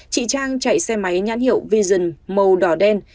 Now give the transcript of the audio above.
chị trang chạy xe máy nhãn hiệu vision màu đỏ đen